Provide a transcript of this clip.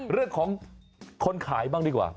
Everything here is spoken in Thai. เรื่องของคนขายบ้างดีกว่า